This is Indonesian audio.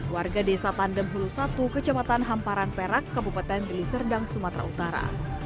warga desa tandem hulu satu kecamatan hamparan perak kabupaten deliserdang sumatera utara